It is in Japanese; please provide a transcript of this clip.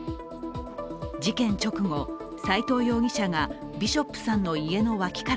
事件直後、斉藤容疑者がビショップさんの家の脇から